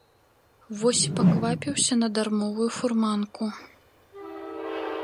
Вось і паквапіўся на дармовую фурманку.